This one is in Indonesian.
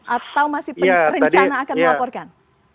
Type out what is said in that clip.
atau masih rencana akan melaporkan